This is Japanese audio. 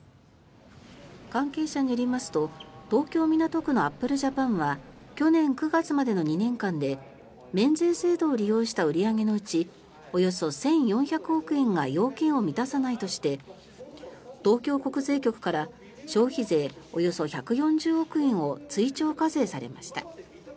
関係者によりますと東京・港区のアップルジャパンは去年９月までの２年間で免税制度を利用した売り上げのうちおよそ１４００億円が要件を満たさないとして東京国税局から消費税およそ１４０億円を追徴課税されました。